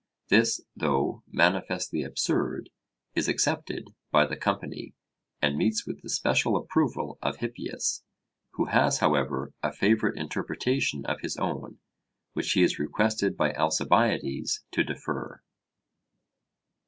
This, though manifestly absurd, is accepted by the company, and meets with the special approval of Hippias, who has however a favourite interpretation of his own, which he is requested by Alcibiades to defer.